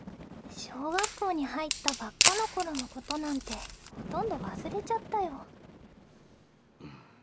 小学校に入ったばっかの頃の事なんてほとんど忘れちゃったよ。